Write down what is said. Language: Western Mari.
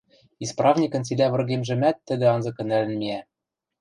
Исправникӹн цилӓ выргемжӹмӓт тӹдӹ анзыкы нӓлӹн миӓ.